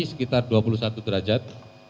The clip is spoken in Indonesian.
sekitar dua puluh satu derajat